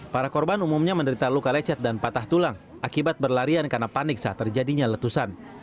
para korban umumnya menderita luka lecet dan patah tulang akibat berlarian karena panik saat terjadinya letusan